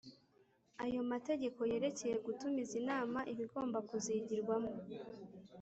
Ayo mategeko yerekeye gutumiza inama ibigomba kuzigirwamo,